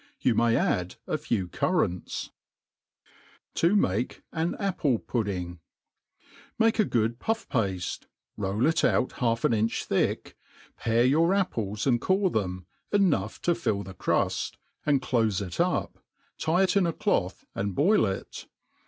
Youf may add » Ibw currants^ t» make mi AfpU'PiMing^ MA]S[^E t ^od puffpafte, roll it out half :m inch thick,^ pare your apples, and core them,^ enough to fUl the eruft, and clofe it up, tie it in a cloth and boit it.